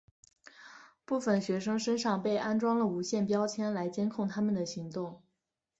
部分学生身上被安装了无线标签来监控他们的行动。